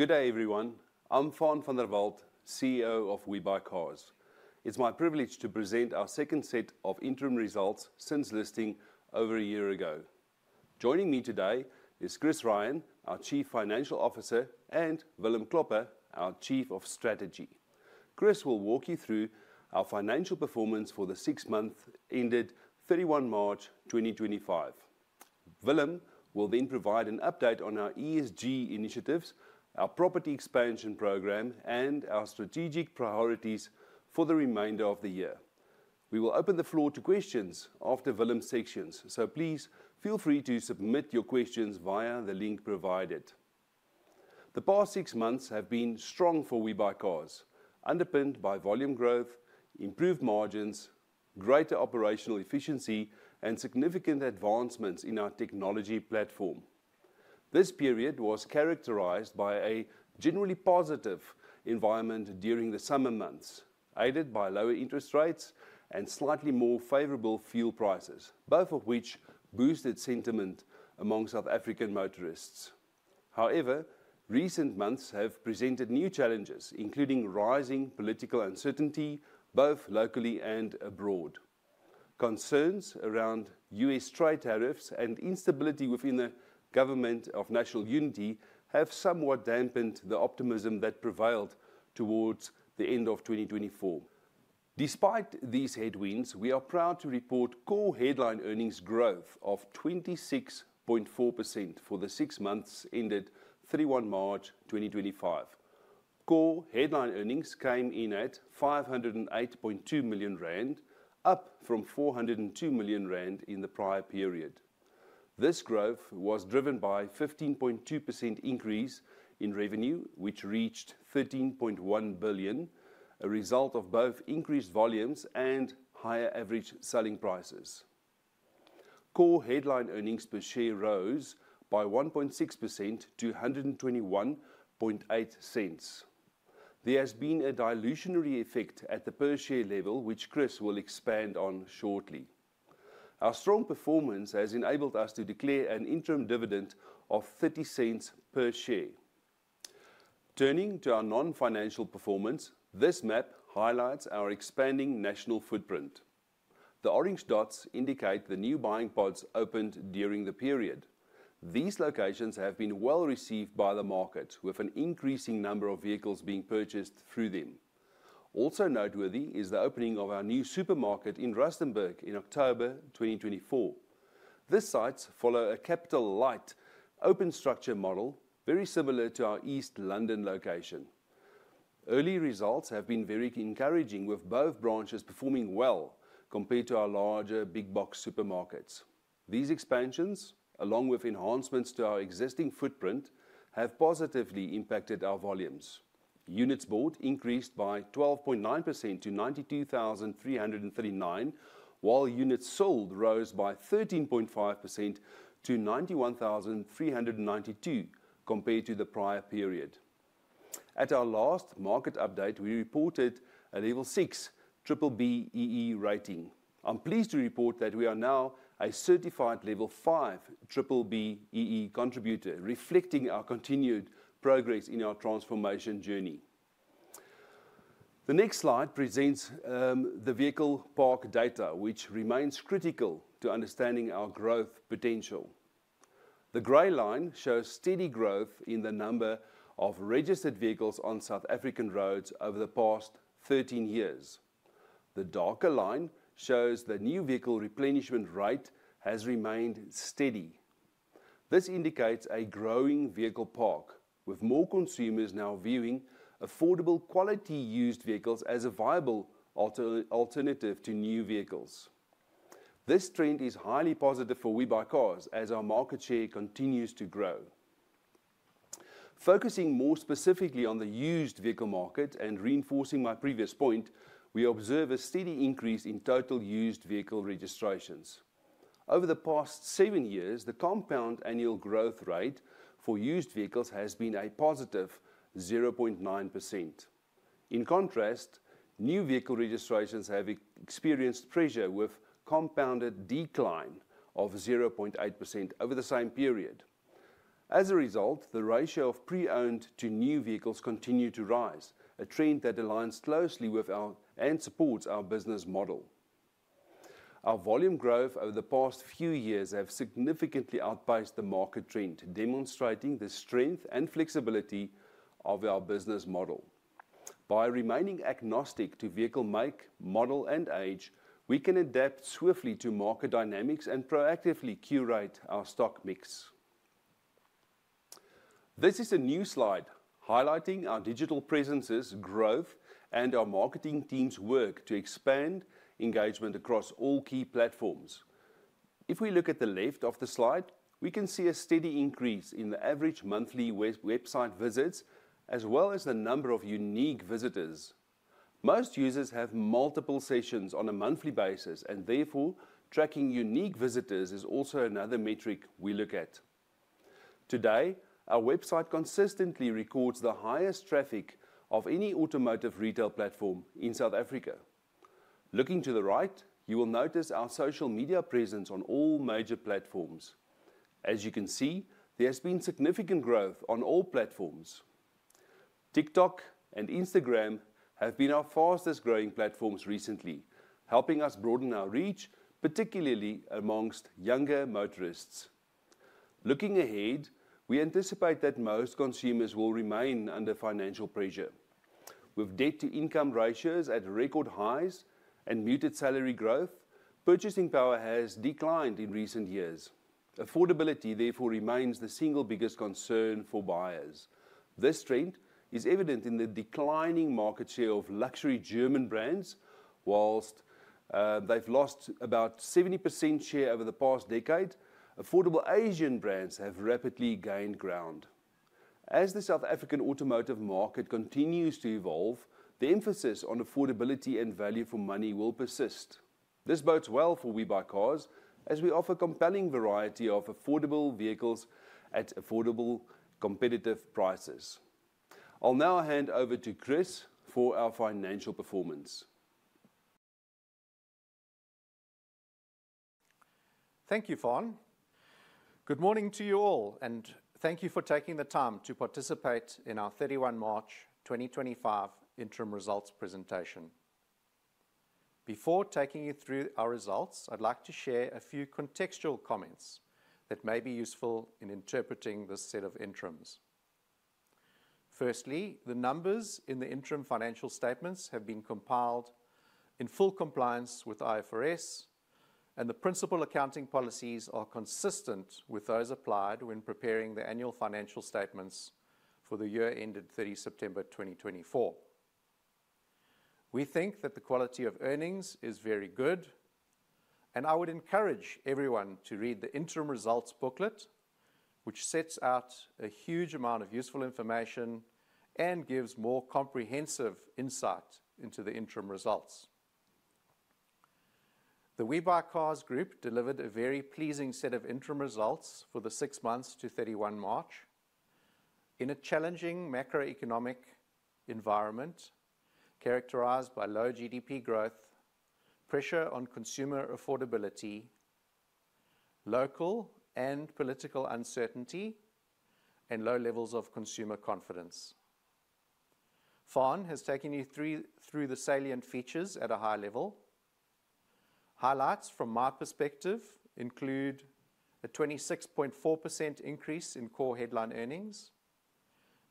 Good day, everyone. I'm Faan van der Walt, CEO of WeBuyCars. It's my privilege to present our second set of interim results since listing over a year ago. Joining me today is Chris Rein, our Chief Financial Officer, and Willem Klopper, our Chief of Strategy. Chris will walk you through our financial performance for the six months ended 31 March 2025. Willem will then provide an update on our ESG initiatives, our property expansion program, and our strategic priorities for the remainder of the year. We will open the floor to questions after Willem's sections, so please feel free to submit your questions via the link provided. The past six months have been strong for WeBuyCars, underpinned by volume growth, improved margins, greater operational efficiency, and significant advancements in our technology platform. This period was characterized by a generally positive environment during the summer months, aided by lower interest rates and slightly more favorable fuel prices, both of which boosted sentiment among South African motorists. However, recent months have presented new challenges, including rising political uncertainty both locally and abroad. Concerns around U.S. trade tariffs and instability within the Government of National Unity have somewhat dampened the optimism that prevailed towards the end of 2024. Despite these headwinds, we are proud to report core headline earnings growth of 26.4% for the six months ended 31 March 2025. Core headline earnings came in at 508.2 million rand, up from 402 million rand in the prior period. This growth was driven by a 15.2% increase in revenue, which reached 13.1 billion, a result of both increased volumes and higher average selling prices. Core headline earnings per share rose by 1.6% to 121.8. There has been a dilutionary effect at the per share level, which Chris will expand on shortly. Our strong performance has enabled us to declare an interim dividend of 0.30 per share. Turning to our non-financial performance, this map highlights our expanding national footprint. The orange dots indicate the new buying pods opened during the period. These locations have been well received by the market, with an increasing number of vehicles being purchased through them. Also noteworthy is the opening of our new supermarket in Rustenburg in October 2024. This site follows a capital light open structure model, very similar to our East London location. Early results have been very encouraging, with both branches performing well compared to our larger big box supermarkets. These expansions, along with enhancements to our existing footprint, have positively impacted our volumes. Units bought increased by 12.9% to 92,339, while units sold rose by 13.5% to 91,392 compared to the prior period. At our last market update, we reported a Level 6 BBBEE rating. I'm pleased to report that we are now a certified Level 5 BBBEE contributor, reflecting our continued progress in our transformation journey. The next slide presents the vehicle park data, which remains critical to understanding our growth potential. The gray line shows steady growth in the number of registered vehicles on South African roads over the past 13 years. The darker line shows the new vehicle replenishment rate has remained steady. This indicates a growing vehicle park, with more consumers now viewing affordable quality used vehicles as a viable alternative to new vehicles. This trend is highly positive for WeBuyCars as our market share continues to grow. Focusing more specifically on the used vehicle market and reinforcing my previous point, we observe a steady increase in total used vehicle registrations. Over the past seven years, the compound annual growth rate for used vehicles has been a positive 0.9%. In contrast, new vehicle registrations have experienced pressure with compounded decline of 0.8% over the same period. As a result, the ratio of pre-owned to new vehicles continues to rise, a trend that aligns closely with our and supports our business model. Our volume growth over the past few years has significantly outpaced the market trend, demonstrating the strength and flexibility of our business model. By remaining agnostic to vehicle make, model, and age, we can adapt swiftly to market dynamics and proactively curate our stock mix. This is a new slide highlighting our digital presence's growth and our marketing team's work to expand engagement across all key platforms. If we look at the left of the slide, we can see a steady increase in the average monthly website visits, as well as the number of unique visitors. Most users have multiple sessions on a monthly basis, and therefore tracking unique visitors is also another metric we look at. Today, our website consistently records the highest traffic of any automotive retail platform in South Africa. Looking to the right, you will notice our social media presence on all major platforms. As you can see, there has been significant growth on all platforms. TikTok and Instagram have been our fastest growing platforms recently, helping us broaden our reach, particularly amongst younger motorists. Looking ahead, we anticipate that most consumers will remain under financial pressure. With debt-to-income ratios at record highs and muted salary growth, purchasing power has declined in recent years. Affordability, therefore, remains the single biggest concern for buyers. This trend is evident in the declining market share of luxury German brands. Whilst they've lost about 70% share over the past decade, affordable Asian brands have rapidly gained ground. As the South African automotive market continues to evolve, the emphasis on affordability and value for money will persist. This bodes well for WeBuyCars, as we offer a compelling variety of affordable vehicles at affordable competitive prices. I'll now hand over to Chris for our financial performance. Thank you, Faan. Good morning to you all, and thank you for taking the time to participate in our 31 March 2025 interim results presentation. Before taking you through our results, I'd like to share a few contextual comments that may be useful in interpreting this set of interims. Firstly, the numbers in the interim financial statements have been compiled in full compliance with IFRS, and the principal accounting policies are consistent with those applied when preparing the annual financial statements for the year ended 30 September 2024. We think that the quality of earnings is very good, and I would encourage everyone to read the interim results booklet, which sets out a huge amount of useful information and gives more comprehensive insight into the interim results. The WeBuyCars Group delivered a very pleasing set of interim results for the six months to 31 March in a challenging macroeconomic environment characterized by low GDP growth, pressure on consumer affordability, local and political uncertainty, and low levels of consumer confidence. Faan has taken you through the salient features at a high level. Highlights from my perspective include a 26.4% increase in core headline earnings,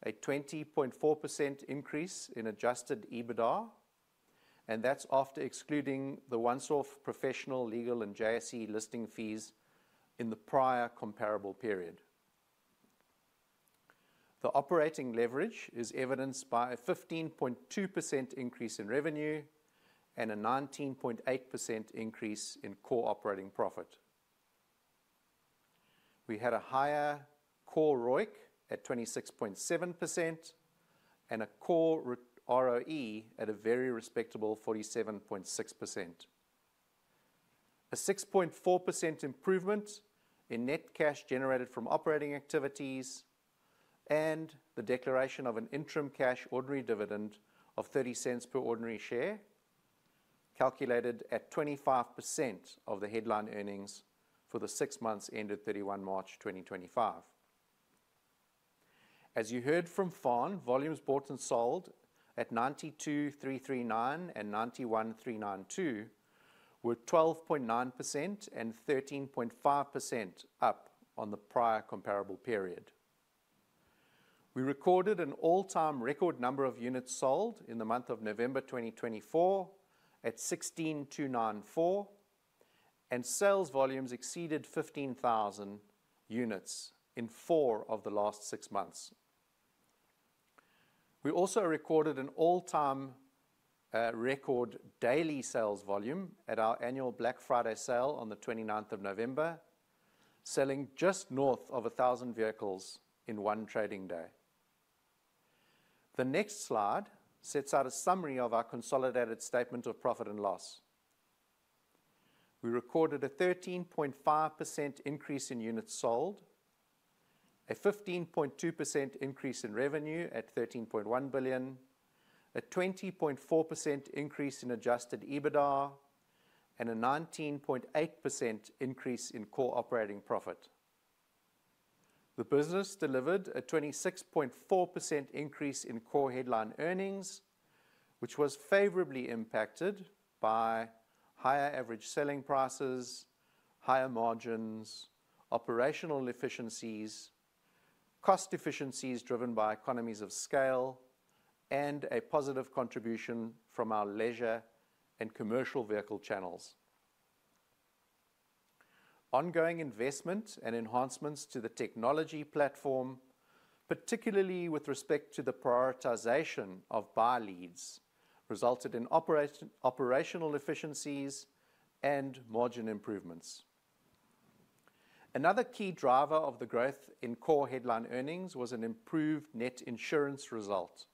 a 20.4% increase in adjusted EBITDA, and that's after excluding the ones for professional legal and JSE listing fees in the prior comparable period. The operating leverage is evidenced by a 15.2% increase in revenue and a 19.8% increase in core operating profit. We had a higher core ROIC at 26.7% and a core ROE at a very respectable 47.6%. A 6.4% improvement in net cash generated from operating activities and the declaration of an interim cash ordinary dividend of 0.30 per ordinary share calculated at 25% of the headline earnings for the six months ended 31 March 2025. As you heard from Faan, volumes bought and sold at 92,339 and 91,392 were 12.9% and 13.5% up on the prior comparable period. We recorded an all-time record number of units sold in the month of November 2024 at 16,294, and sales volumes exceeded 15,000 units in four of the last six months. We also recorded an all-time record daily sales volume at our annual Black Friday sale on the 29th of November, selling just north of 1,000 vehicles in one trading day. The next slide sets out a summary of our consolidated statement of profit and loss. We recorded a 13.5% increase in units sold, a 15.2% increase in revenue at 13.1 billion, a 20.4% increase in adjusted EBITDA, and a 19.8% increase in core operating profit. The business delivered a 26.4% increase in core headline earnings, which was favorably impacted by higher average selling prices, higher margins, operational efficiencies, cost efficiencies driven by economies of scale, and a positive contribution from our leisure and commercial vehicle channels. Ongoing investment and enhancements to the technology platform, particularly with respect to the prioritization of buy leads, resulted in operational efficiencies and margin improvements. Another key driver of the growth in core headline earnings was an improved net insurance result.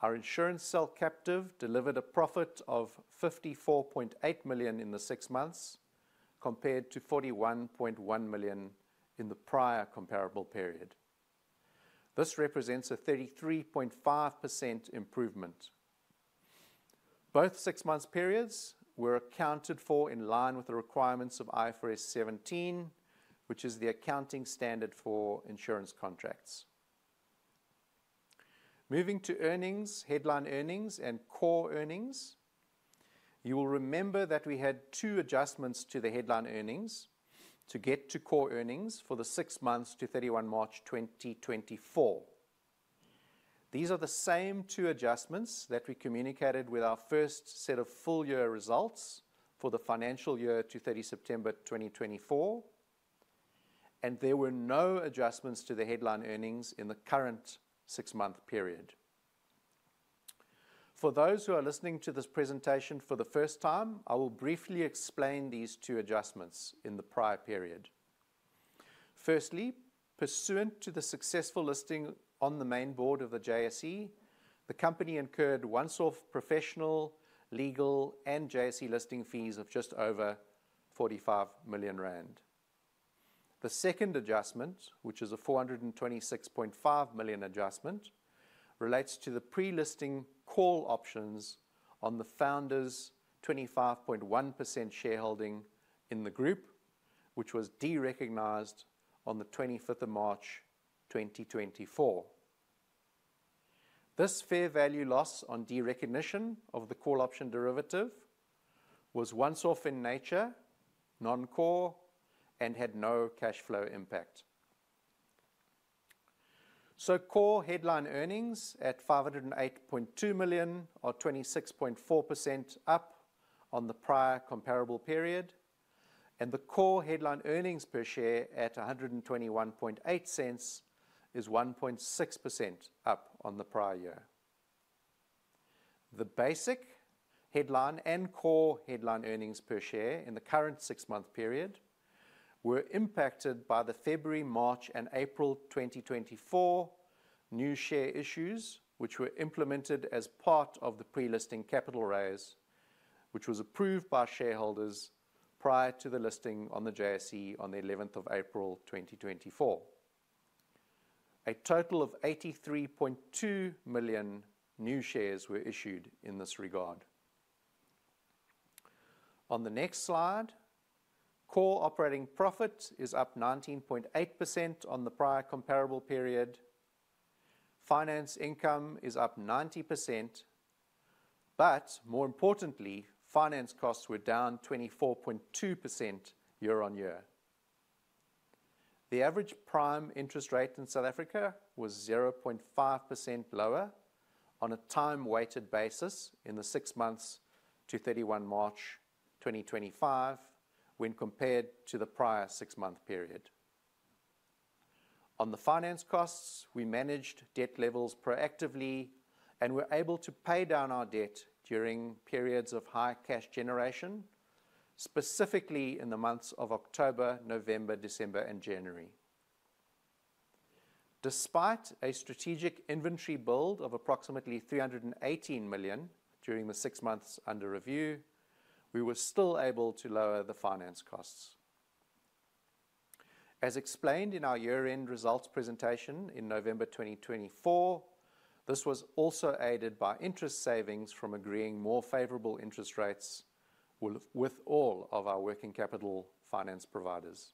Our insurance sale captive delivered a profit of 54.8 million in the six months, compared to 41.1 million in the prior comparable period. This represents a 33.5% improvement. Both six-month periods were accounted for in line with the requirements of IFRS 17, which is the accounting standard for insurance contracts. Moving to earnings, headline earnings and core earnings, you will remember that we had two adjustments to the headline earnings to get to core earnings for the six months to 31 March 2024. These are the same two adjustments that we communicated with our first set of full year results for the financial year to 30 September 2024, and there were no adjustments to the headline earnings in the current six-month period. For those who are listening to this presentation for the first time, I will briefly explain these two adjustments in the prior period. Firstly, pursuant to the successful listing on the main board of the JSE, the company incurred once-off professional legal and JSE listing fees of just over 45 million rand. The second adjustment, which is a 426.5 million adjustment, relates to the pre-listing call options on the founders' 25.1% shareholding in the group, which was derecognized on the 25th of March 2024. This fair value loss on derecognition of the call option derivative was once-off in nature, non-core, and had no cash flow impact. Core headline earnings at 508.2 million, or 26.4% up on the prior comparable period, and the core headline earnings per share at 121.8 is 1.6% up on the prior year. The basic headline and core headline earnings per share in the current six-month period were impacted by the February, March, and April 2024 new share issues, which were implemented as part of the pre-listing capital raise, which was approved by shareholders prior to the listing on the JSE on the 11th of April 2024. A total of 83.2 million new shares were issued in this regard. On the next slide, core operating profit is up 19.8% on the prior comparable period. Finance income is up 90%, but more importantly, finance costs were down 24.2% year on year. The average prime interest rate in South Africa was 0.5% lower on a time-weighted basis in the six months to 31 March 2025 when compared to the prior six-month period. On the finance costs, we managed debt levels proactively and were able to pay down our debt during periods of high cash generation, specifically in the months of October, November, December, and January. Despite a strategic inventory build of approximately 318 million during the six months under review, we were still able to lower the finance costs. As explained in our year-end results presentation in November 2024, this was also aided by interest savings from agreeing more favorable interest rates with all of our working capital finance providers.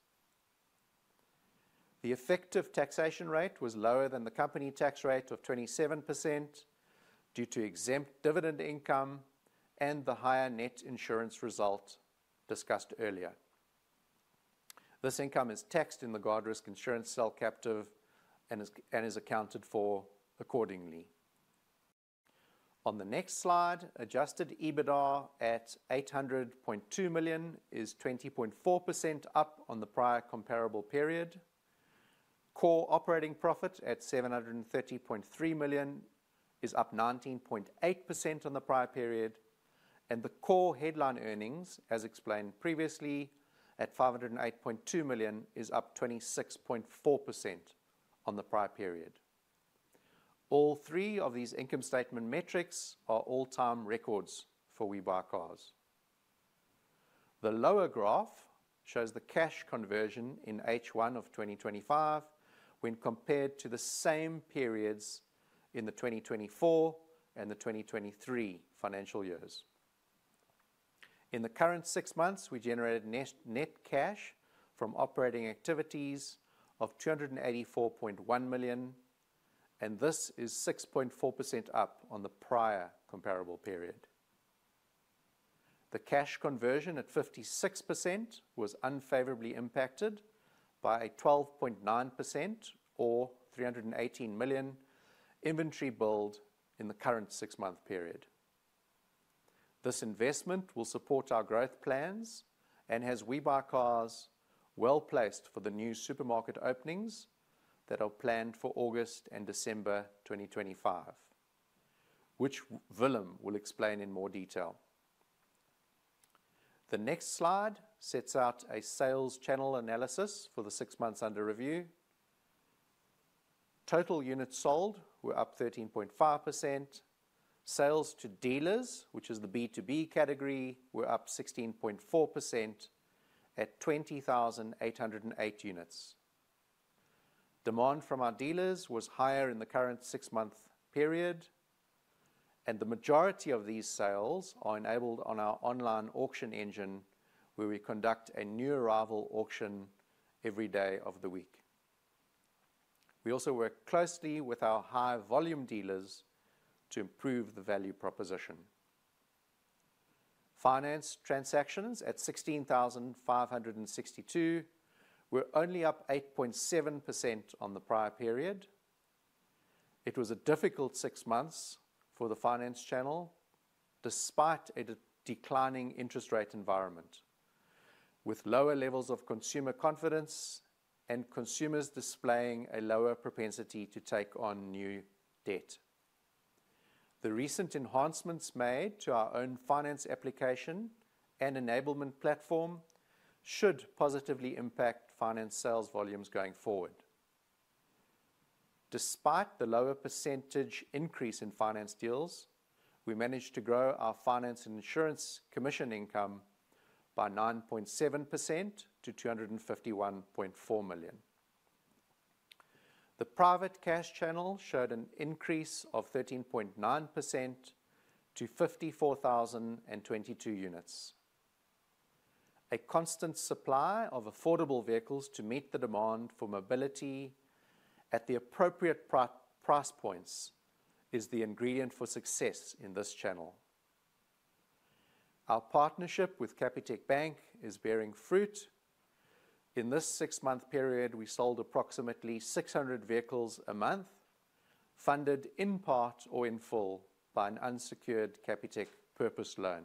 The effective taxation rate was lower than the company tax rate of 27% due to exempt dividend income and the higher net insurance result discussed earlier. This income is taxed in the Guardrisk Insurance sale captive and is accounted for accordingly. On the next slide, adjusted EBITDA at 800.2 million is 20.4% up on the prior comparable period. Core operating profit at 730.3 million is up 19.8% on the prior period, and the core headline earnings, as explained previously at 508.2 million, is up 26.4% on the prior period. All three of these income statement metrics are all-time records for WeBuyCars. The lower graph shows the cash conversion in H1 of 2025 when compared to the same periods in the 2024 and the 2023 financial years. In the current six months, we generated net cash from operating activities of 284.1 million, and this is 6.4% up on the prior comparable period. The cash conversion at 56% was unfavorably impacted by a 12.9%, or 318 million, inventory build in the current six-month period. This investment will support our growth plans and has WeBuyCars well placed for the new supermarket openings that are planned for August and December 2025, which Willem will explain in more detail. The next slide sets out a sales channel analysis for the six months under review. Total units sold were up 13.5%. Sales to dealers, which is the B2B category, were up 16.4% at 20,808 units. Demand from our dealers was higher in the current six-month period, and the majority of these sales are enabled on our online auction engine, where we conduct a new arrival auction every day of the week. We also work closely with our high-volume dealers to improve the value proposition. Finance transactions at 16,562 were only up 8.7% on the prior period. It was a difficult six months for the finance channel despite a declining interest rate environment, with lower levels of consumer confidence and consumers displaying a lower propensity to take on new debt. The recent enhancements made to our own finance application and enablement platform should positively impact finance sales volumes going forward. Despite the lower percentage increase in finance deals, we managed to grow our finance and insurance commission income by 9.7% to 251.4 million. The private cash channel showed an increase of 13.9% to 54,022 units. A constant supply of affordable vehicles to meet the demand for mobility at the appropriate price points is the ingredient for success in this channel. Our partnership with Capitec Bank is bearing fruit. In this six-month period, we sold approximately 600 vehicles a month, funded in part or in full by an unsecured Capitec purpose loan.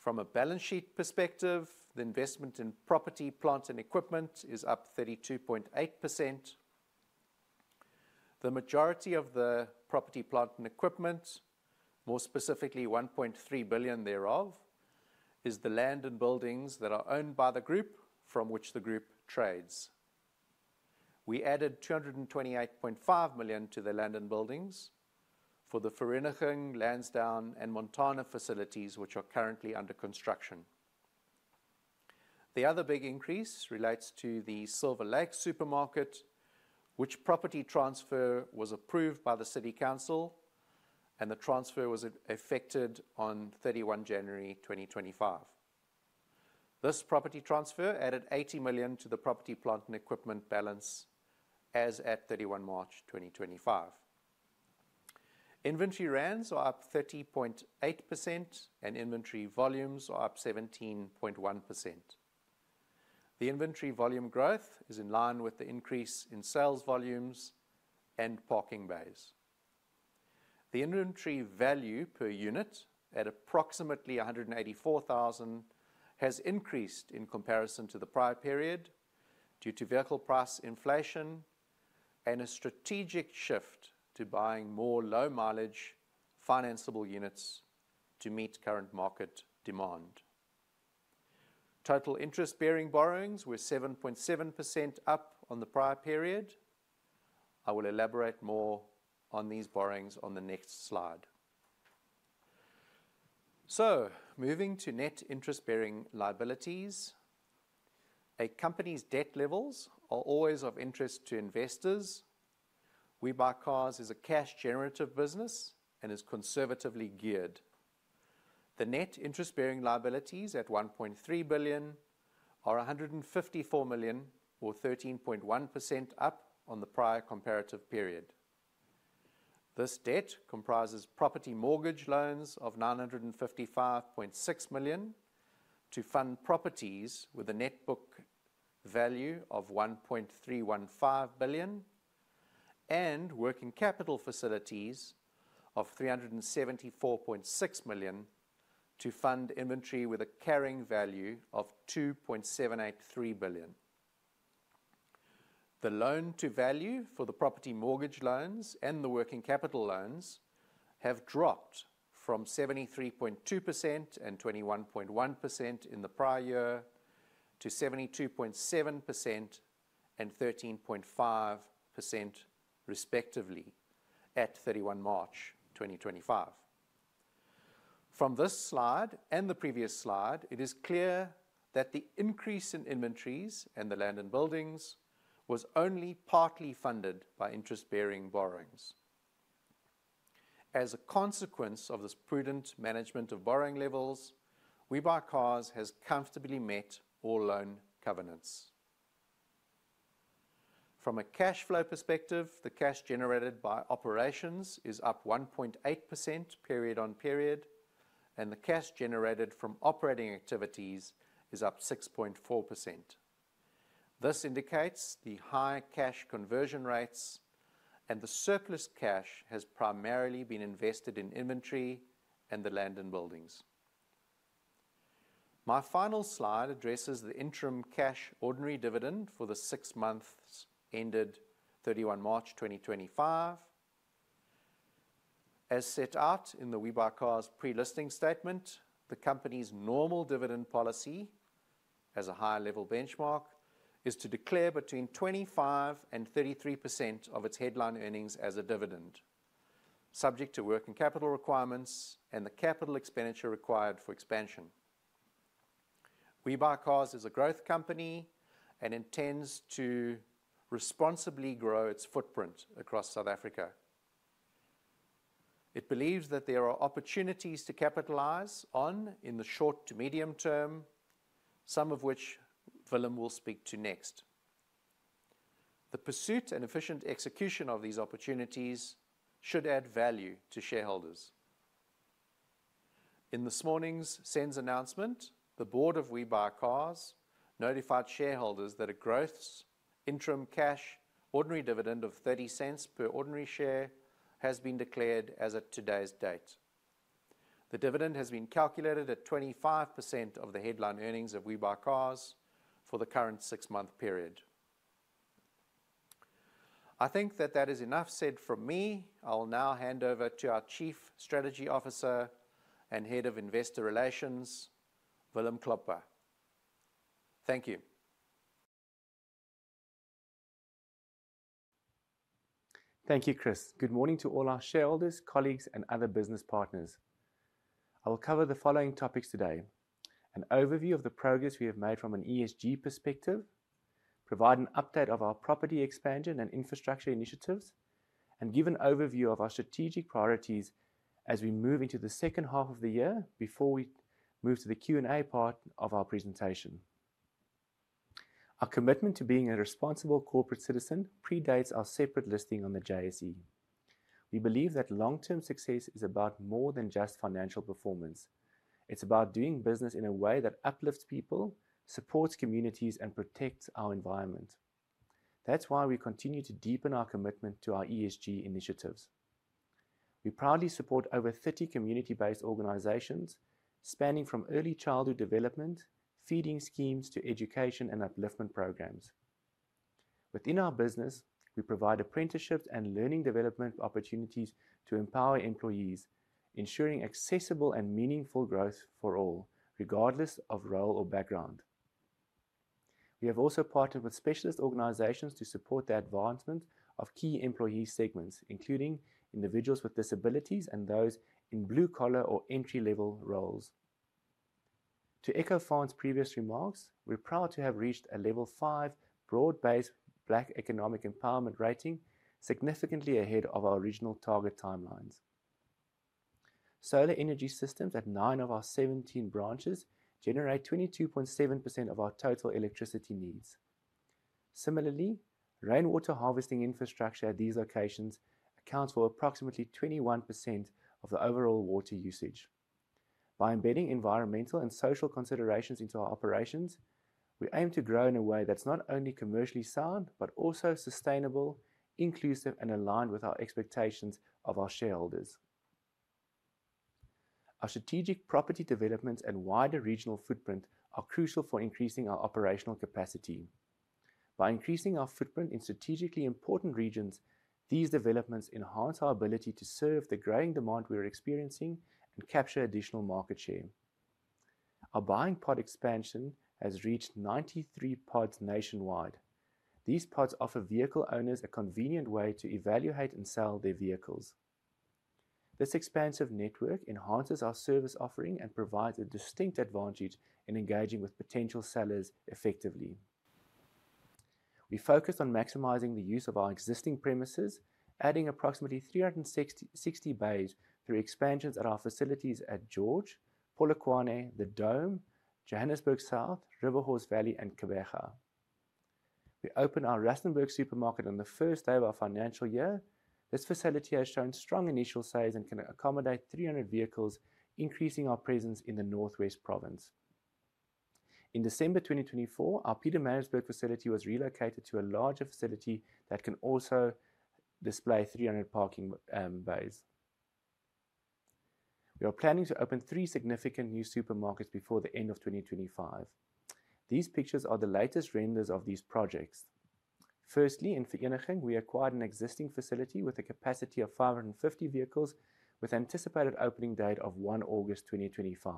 From a balance sheet perspective, the investment in property, plants, and equipment is up 32.8%. The majority of the property, plants, and equipment, more specifically 1.3 billion thereof, is the land and buildings that are owned by the group from which the group trades. We added 228.5 million to the land and buildings for the Vereeniging, Lansdowne, and Montana facilities, which are currently under construction. The other big increase relates to the Silver Lakes Supermarket, which property transfer was approved by the City Council, and the transfer was effected on 31 January 2025. This property transfer added 80 million to the property, plant, and equipment balance as at 31 March 2025. Inventory runs are up 30.8%, and inventory volumes are up 17.1%. The inventory volume growth is in line with the increase in sales volumes and parking bays. The inventory value per unit at approximately 184,000 has increased in comparison to the prior period due to vehicle price inflation and a strategic shift to buying more low-mileage financeable units to meet current market demand. Total interest-bearing borrowings were 7.7% up on the prior period. I will elaborate more on these borrowings on the next slide. Moving to net interest-bearing liabilities, a company's debt levels are always of interest to investors. WeBuyCars is a cash-generative business and is conservatively geared. The net interest-bearing liabilities at 1.3 billion are 154 million, or 13.1% up on the prior comparative period. This debt comprises property mortgage loans of 955.6 million to fund properties with a net book value of 1.315 billion and working capital facilities of 374.6 million to fund inventory with a carrying value of 2.783 billion. The loan-to-value for the property mortgage loans and the working capital loans have dropped from 73.2% and 21.1% in the prior year to 72.7% and 13.5% respectively at 31 March 2025. From this slide and the previous slide, it is clear that the increase in inventories and the land and buildings was only partly funded by interest-bearing borrowings. As a consequence of this prudent management of borrowing levels, WeBuyCars has comfortably met all loan covenants. From a cash flow perspective, the cash generated by operations is up 1.8% period on period, and the cash generated from operating activities is up 6.4%. This indicates the high cash conversion rates, and the surplus cash has primarily been invested in inventory and the land and buildings. My final slide addresses the interim cash ordinary dividend for the six months ended 31 March 2025. As set out in the WeBuyCars pre-listing statement, the company's normal dividend policy, as a higher level benchmark, is to declare between 25% and 33% of its headline earnings as a dividend, subject to working capital requirements and the capital expenditure required for expansion. WeBuyCars is a growth company and intends to responsibly grow its footprint across South Africa. It believes that there are opportunities to capitalize on in the short to medium term, some of which Willem will speak to next. The pursuit and efficient execution of these opportunities should add value to shareholders. In this morning's SENZ announcement, the board of WeBuyCars notified shareholders that a growth interim cash ordinary dividend of 0.30 per ordinary share has been declared as of today's date. The dividend has been calculated at 25% of the headline earnings of WeBuyCars for the current six-month period. I think that is enough said from me. I will now hand over to our Chief Strategy Officer and Head of Investor Relations, Willem Klopper. Thank you. Thank you, Chris. Good morning to all our shareholders, colleagues, and other business partners. I will cover the following topics today: an overview of the progress we have made from an ESG perspective, provide an update of our property expansion and infrastructure initiatives, and give an overview of our strategic priorities as we move into the second half of the year before we move to the Q&A part of our presentation. Our commitment to being a responsible corporate citizen predates our separate listing on the JSE. We believe that long-term success is about more than just financial performance. It's about doing business in a way that uplifts people, supports communities, and protects our environment. That's why we continue to deepen our commitment to our ESG initiatives. We proudly support over 30 community-based organizations, spanning from early childhood development, feeding schemes to education and upliftment programs. Within our business, we provide apprenticeships and learning development opportunities to empower employees, ensuring accessible and meaningful growth for all, regardless of role or background. We have also partnered with specialist organizations to support the advancement of key employee segments, including individuals with disabilities and those in blue-collar or entry-level roles. To echo Faan's previous remarks, we're proud to have reached a Level 5 BBBEE rating, significantly ahead of our original target timelines. Solar energy systems at nine of our 17 branches generate 22.7% of our total electricity needs. Similarly, rainwater harvesting infrastructure at these locations accounts for approximately 21% of the overall water usage. By embedding environmental and social considerations into our operations, we aim to grow in a way that's not only commercially sound but also sustainable, inclusive, and aligned with our expectations of our shareholders. Our strategic property developments and wider regional footprint are crucial for increasing our operational capacity. By increasing our footprint in strategically important regions, these developments enhance our ability to serve the growing demand we are experiencing and capture additional market share. Our buying pod expansion has reached 93 pods nationwide. These pods offer vehicle owners a convenient way to evaluate and sell their vehicles. This expansive network enhances our service offering and provides a distinct advantage in engaging with potential sellers effectively. We focused on maximizing the use of our existing premises, adding approximately 360 bays through expansions at our facilities at George, Polokwane, The Dome, Johannesburg South, Riverhorse Valley, and Klerksdorp. We opened our Rustenburg supermarket on the first day of our financial year. This facility has shown strong initial sales and can accommodate 300 vehicles, increasing our presence in the North West province. In December 2024, our Pietermaritzburg facility was relocated to a larger facility that can also display 300 parking bays. We are planning to open three significant new supermarkets before the end of 2025. These pictures are the latest renders of these projects. Firstly, in Vereeniging, we acquired an existing facility with a capacity of 550 vehicles, with an anticipated opening date of 1 August 2025.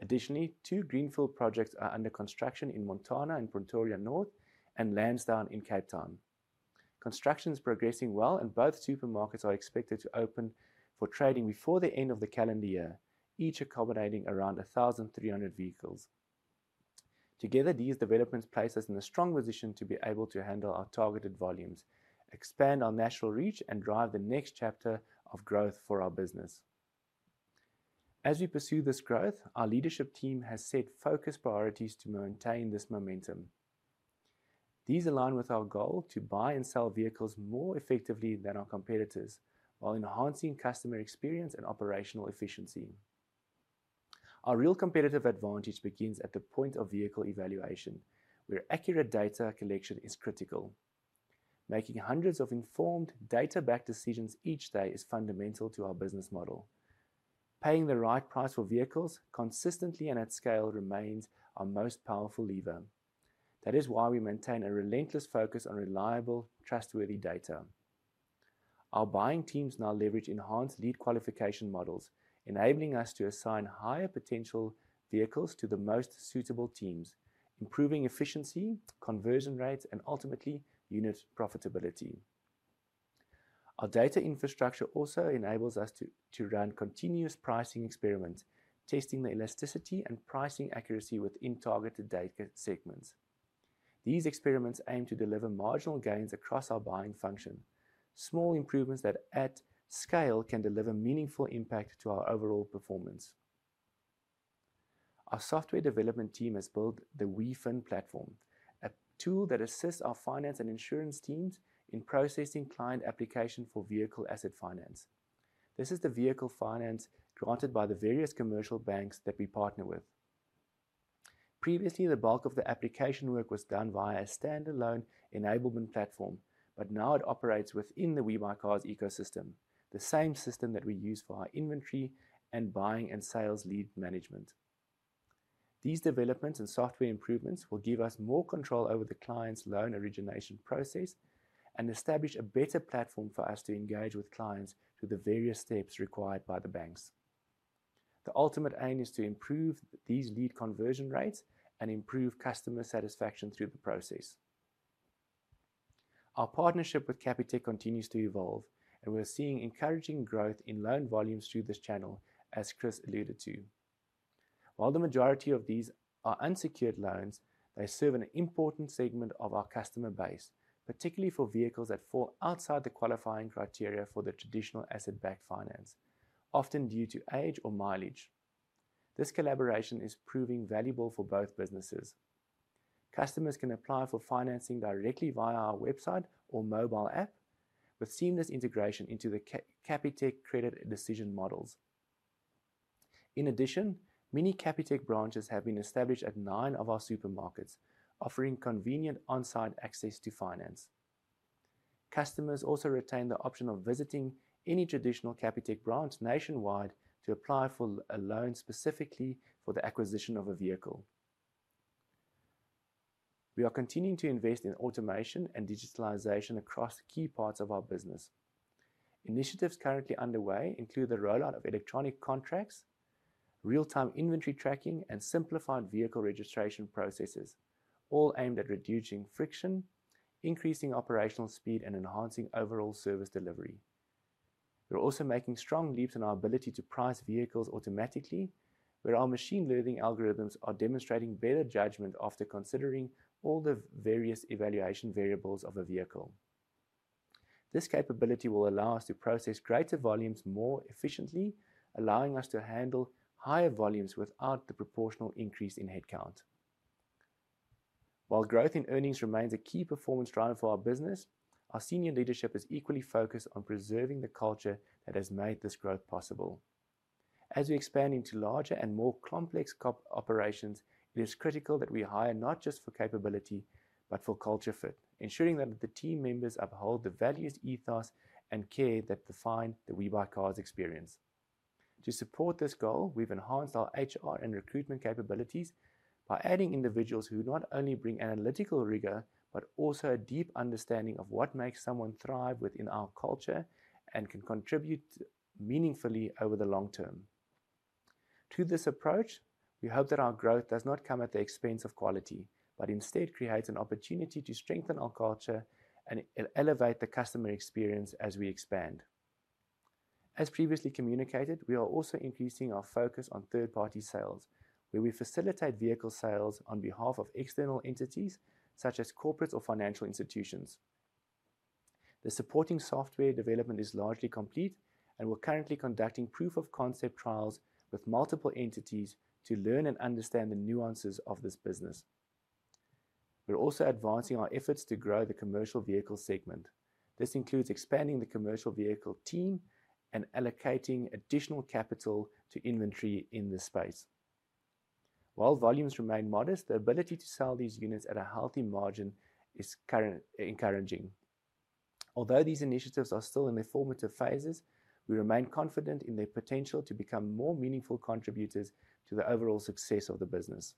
Additionally, two greenfield projects are under construction in Montana and Pretoria North and Lansdowne in Cape Town. Construction is progressing well, and both supermarkets are expected to open for trading before the end of the calendar year, each accommodating around 1,300 vehicles. Together, these developments place us in a strong position to be able to handle our targeted volumes, expand our national reach, and drive the next chapter of growth for our business. As we pursue this growth, our leadership team has set focus priorities to maintain this momentum. These align with our goal to buy and sell vehicles more effectively than our competitors while enhancing customer experience and operational efficiency. Our real competitive advantage begins at the point of vehicle evaluation, where accurate data collection is critical. Making hundreds of informed data-backed decisions each day is fundamental to our business model. Paying the right price for vehicles consistently and at scale remains our most powerful lever. That is why we maintain a relentless focus on reliable, trustworthy data. Our buying teams now leverage enhanced lead qualification models, enabling us to assign higher potential vehicles to the most suitable teams, improving efficiency, conversion rates, and ultimately unit profitability. Our data infrastructure also enables us to run continuous pricing experiments, testing the elasticity and pricing accuracy within targeted data segments. These experiments aim to deliver marginal gains across our buying function, small improvements that, at scale, can deliver meaningful impact to our overall performance. Our software development team has built the WeFin platform, a tool that assists our finance and insurance teams in processing client applications for vehicle asset finance. This is the vehicle finance granted by the various commercial banks that we partner with. Previously, the bulk of the application work was done via a standalone enablement platform, but now it operates within the WeBuyCars ecosystem, the same system that we use for our inventory and buying and sales lead management. These developments and software improvements will give us more control over the client's loan origination process and establish a better platform for us to engage with clients through the various steps required by the banks. The ultimate aim is to improve these lead conversion rates and improve customer satisfaction through the process. Our partnership with Capitec continues to evolve, and we're seeing encouraging growth in loan volumes through this channel, as Chris alluded to. While the majority of these are unsecured loans, they serve an important segment of our customer base, particularly for vehicles that fall outside the qualifying criteria for the traditional asset-backed finance, often due to age or mileage. This collaboration is proving valuable for both businesses. Customers can apply for financing directly via our website or mobile app, with seamless integration into the Capitec credit decision models. In addition, many Capitec branches have been established at nine of our supermarkets, offering convenient on-site access to finance. Customers also retain the option of visiting any traditional Capitec branch nationwide to apply for a loan specifically for the acquisition of a vehicle. We are continuing to invest in automation and digitalization across key parts of our business. Initiatives currently underway include the rollout of electronic contracts, real-time inventory tracking, and simplified vehicle registration processes, all aimed at reducing friction, increasing operational speed, and enhancing overall service delivery. We're also making strong leaps in our ability to price vehicles automatically, where our machine learning algorithms are demonstrating better judgment after considering all the various evaluation variables of a vehicle. This capability will allow us to process greater volumes more efficiently, allowing us to handle higher volumes without the proportional increase in headcount. While growth in earnings remains a key performance driver for our business, our senior leadership is equally focused on preserving the culture that has made this growth possible. As we expand into larger and more complex operations, it is critical that we hire not just for capability, but for culture fit, ensuring that the team members uphold the values, ethos, and care that define the WeBuyCars experience. To support this goal, we've enhanced our HR and recruitment capabilities by adding individuals who not only bring analytical rigor but also a deep understanding of what makes someone thrive within our culture and can contribute meaningfully over the long term. To this approach, we hope that our growth does not come at the expense of quality but instead creates an opportunity to strengthen our culture and elevate the customer experience as we expand. As previously communicated, we are also increasing our focus on third-party sales, where we facilitate vehicle sales on behalf of external entities such as corporates or financial institutions. The supporting software development is largely complete and we're currently conducting proof-of-concept trials with multiple entities to learn and understand the nuances of this business. We're also advancing our efforts to grow the commercial vehicle segment. This includes expanding the commercial vehicle team and allocating additional capital to inventory in this space. While volumes remain modest, the ability to sell these units at a healthy margin is currently encouraging. Although these initiatives are still in their formative phases, we remain confident in their potential to become more meaningful contributors to the overall success of the business.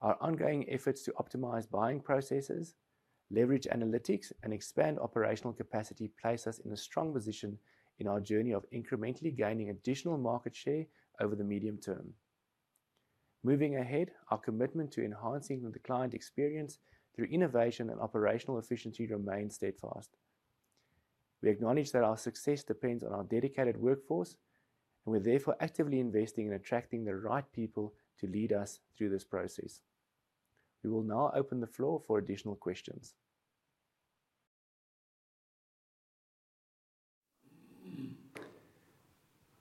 Our ongoing efforts to optimize buying processes, leverage analytics, and expand operational capacity place us in a strong position in our journey of incrementally gaining additional market share over the medium term. Moving ahead, our commitment to enhancing the client experience through innovation and operational efficiency remains steadfast. We acknowledge that our success depends on our dedicated workforce, and we're therefore actively investing in attracting the right people to lead us through this process. We will now open the floor for additional questions.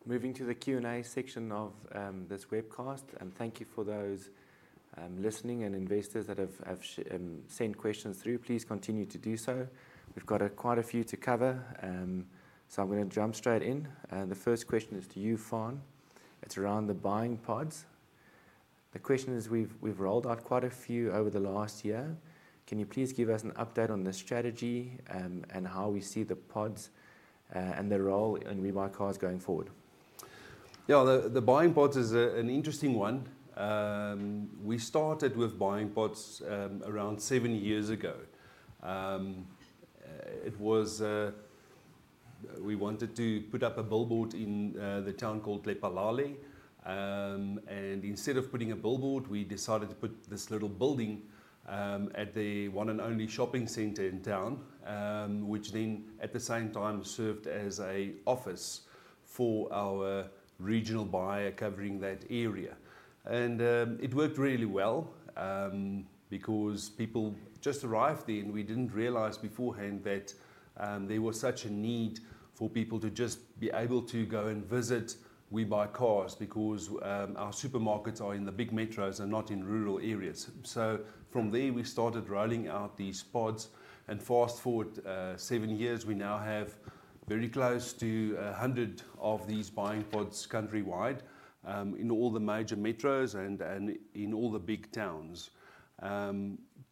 Moving to the Q&A section of this webcast, and thank you for those listening and investors that have sent questions through. Please continue to do so. We've got quite a few to cover, so I'm going to jump straight in. The first question is to you, Faan. It's around the buying pods. The question is, we've rolled out quite a few over the last year. Can you please give us an update on the strategy and how we see the pods and their role in WeBuyCars going forward? Yeah, the buying pods is an interesting one. We started with buying pods around seven years ago. We wanted to put up a billboard in the town called Lepa Lale, and instead of putting a billboard, we decided to put this little building at the one and only shopping center in town, which then at the same time served as an office for our regional buyer covering that area. It worked really well because people just arrived there, and we did not realize beforehand that there was such a need for people to just be able to go and visit WeBuyCars because our supermarkets are in the big metros and not in rural areas. From there, we started rolling out these pods, and fast forward seven years, we now have very close to 100 of these buying pods countrywide in all the major metros and in all the big towns.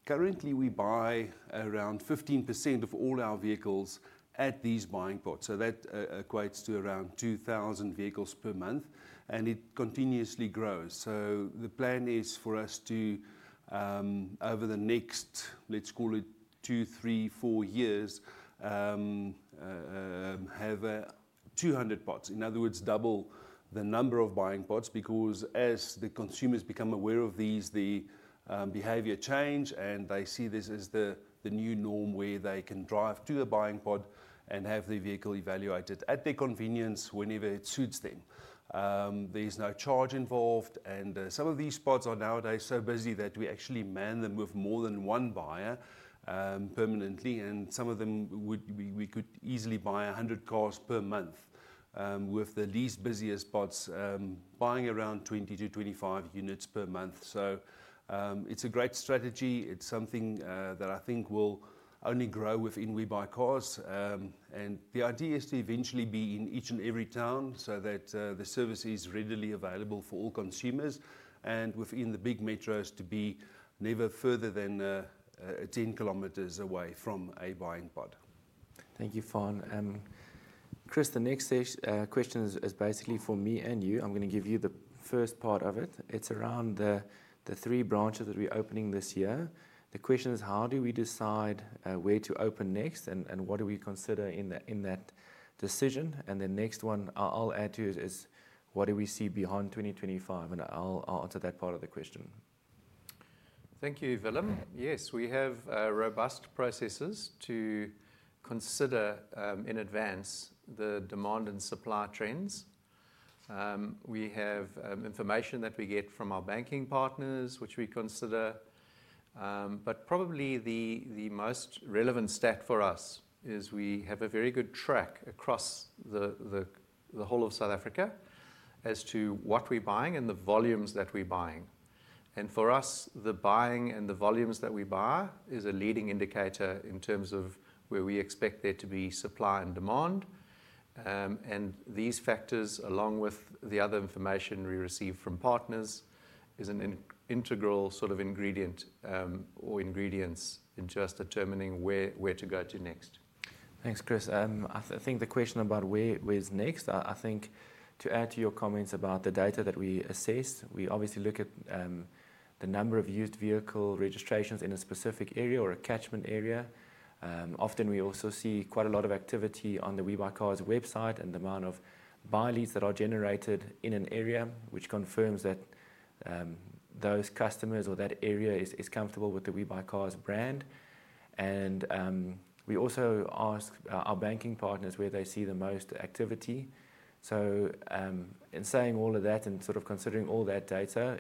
Currently, we buy around 15% of all our vehicles at these buying pods, so that equates to around 2,000 vehicles per month, and it continuously grows. The plan is for us to, over the next, let's call it two, three, four years, have 200 pods, in other words, double the number of buying pods because as the consumers become aware of these, the behavior changes, and they see this as the new norm where they can drive to a buying pod and have the vehicle evaluated at their convenience whenever it suits them. There is no charge involved, and some of these pods are nowadays so busy that we actually man them with more than one buyer permanently, and some of them we could easily buy 100 cars per month with the least busiest pods buying around 20-25 units per month. It is a great strategy. It's something that I think will only grow within WeBuyCars, and the idea is to eventually be in each and every town so that the service is readily available for all consumers and within the big metros to be never further than 10 kilometers away from a buying pod. Thank you, Faan. Chris, the next question is basically for me and you. I'm going to give you the first part of it. It's around the three branches that we're opening this year. The question is, how do we decide where to open next, and what do we consider in that decision? The next one I'll add to is, what do we see beyond 2025? I'll answer that part of the question. Thank you, Willem. Yes, we have robust processes to consider in advance the demand and supply trends. We have information that we get from our banking partners, which we consider. Probably the most relevant stat for us is we have a very good track across the whole of South Africa as to what we're buying and the volumes that we're buying. For us, the buying and the volumes that we buy is a leading indicator in terms of where we expect there to be supply and demand. These factors, along with the other information we receive from partners, is an integral sort of ingredient or ingredients in just determining where to go to next. Thanks, Chris. I think the question about where's next, I think to add to your comments about the data that we assess, we obviously look at the number of used vehicle registrations in a specific area or a catchment area. Often we also see quite a lot of activity on the WeBuyCars website and the amount of buy leads that are generated in an area, which confirms that those customers or that area is comfortable with the WeBuyCars brand. We also ask our banking partners where they see the most activity. In saying all of that and sort of considering all that data,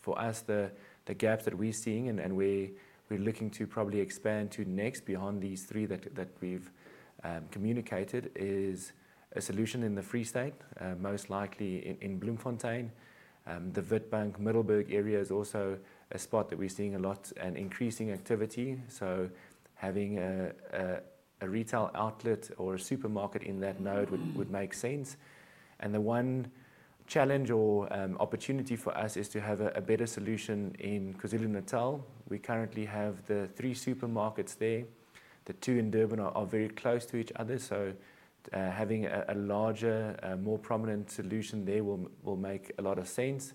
for us, the gap that we're seeing and we're looking to probably expand to next beyond these three that we've communicated is a solution in the Free State, most likely in Bloemfontein. The WIT Bank Middelburg area is also a spot that we're seeing a lot and increasing activity. Having a retail outlet or a supermarket in that node would make sense. The one challenge or opportunity for us is to have a better solution in KwaZulu-Natal. We currently have the three supermarkets there. The two in Durban are very close to each other, so having a larger, more prominent solution there will make a lot of sense.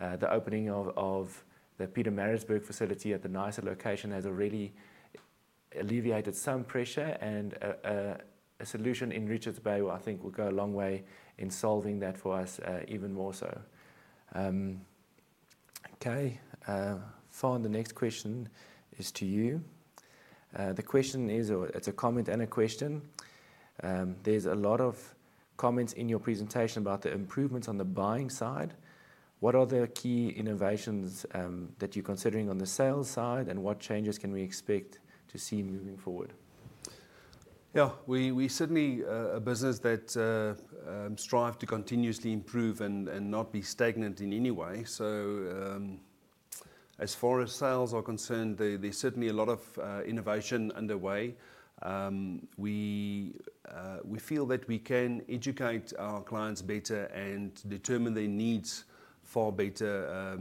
The opening of the Pietermaritzburg facility at the nicer location has already alleviated some pressure, and a solution in Richards Bay, I think, will go a long way in solving that for us even more so. Okay, Faan, the next question is to you. The question is, it's a comment and a question. There's a lot of comments in your presentation about the improvements on the buying side. What are the key innovations that you're considering on the sales side, and what changes can we expect to see moving forward? Yeah, we're certainly a business that strives to continuously improve and not be stagnant in any way. As far as sales are concerned, there's certainly a lot of innovation underway. We feel that we can educate our clients better and determine their needs better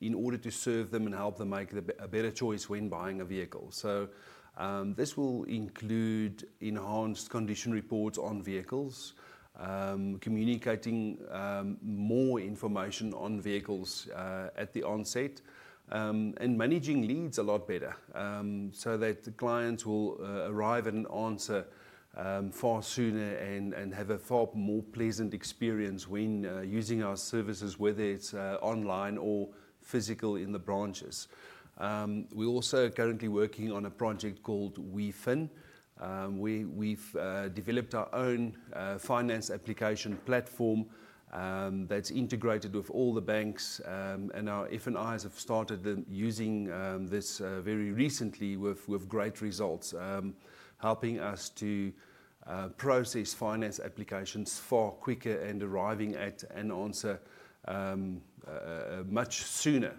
in order to serve them and help them make a better choice when buying a vehicle. This will include enhanced condition reports on vehicles, communicating more information on vehicles at the onset, and managing leads a lot better so that clients will arrive at an answer far sooner and have a far more pleasant experience when using our services, whether it's online or physical in the branches. We're also currently working on a project called WeFin. We've developed our own finance application platform that's integrated with all the banks, and our F&Is have started using this very recently with great results, helping us to process finance applications far quicker and arriving at an answer much sooner.